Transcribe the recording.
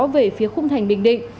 về phía khung thành bình định